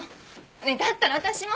ねえだったら私も。